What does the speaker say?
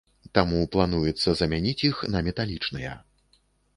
Таму плануецца замяніць іх на металічныя.